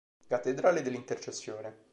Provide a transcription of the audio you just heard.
Cattedrale dell'Intercessione